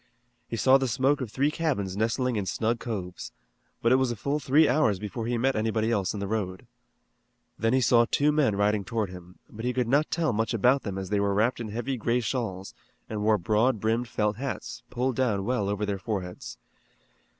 He saw the smoke of three cabins nestling in snug coves, but it was a full three hours before he met anybody else in the road. Then he saw two men riding toward him, but he could not tell much about them as they were wrapped in heavy gray shawls, and wore broad brimmed felt hats, pulled well down over their foreheads.